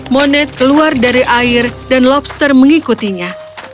monet keluar dari air dan lobster mengikutinya